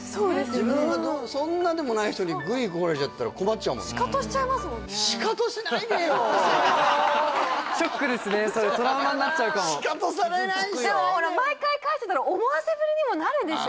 自分がそんなでもない人にグイグイ来られちゃったら困っちゃうもんねでもほら毎回返してたら思わせぶりにもなるでしょ？